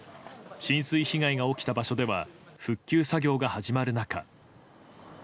浸水被害が起きた場所では復旧作業が始まる中。